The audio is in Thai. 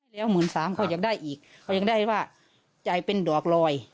แล้วหมื่นสามเขายังได้อีกเขายังได้ว่าจ่ายเป็นดอกลอย